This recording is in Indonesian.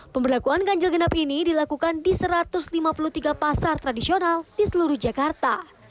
pemberlakuan ganjil genap ini dilakukan di satu ratus lima puluh tiga pasar tradisional di seluruh jakarta